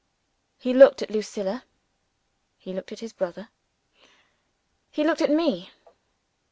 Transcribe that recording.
He looked at Lucilla; he looked at his brother; he looked at me.